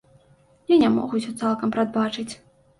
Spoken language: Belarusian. Я не мог усё цалкам прадбачыць.